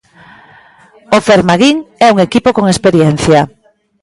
O Femarguín é un equipo con experiencia.